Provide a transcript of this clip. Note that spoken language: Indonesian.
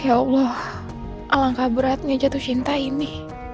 ya allah alangkah beratnya jatuh cinta ini